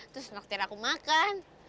terus nokter aku makan